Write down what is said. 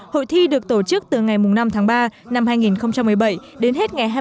hội thi được tổ chức từ ngày năm tháng ba năm hai nghìn một mươi bảy đến hết ngày hai mươi tháng